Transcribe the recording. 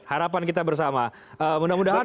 harapan kita bersama mudah mudahan